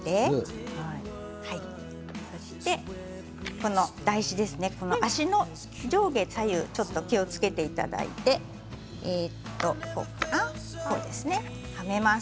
この台紙、脚の上下左右ちょっと気をつけていただいてはめます。